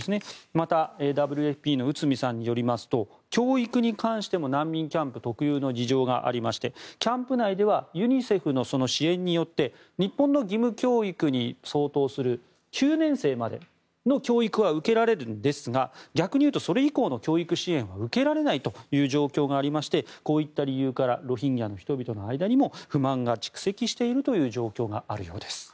また、ＷＦＰの内海さんによりますと教育に関しても難民キャンプ特有の事情がありましてキャンプ内ではユニセフの支援によって日本の義務教育に相当する９年生までの教育は受けられるんですが逆に言うとそれ以降の教育支援は受けられないという状況がありましてこういった理由からロヒンギャの人々の間にも不満が蓄積しているという状況があるようです。